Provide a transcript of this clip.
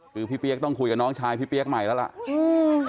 คือพี่เปี๊ยกต้องคุยกับน้องชายพี่เปี๊ยกใหม่แล้วล่ะ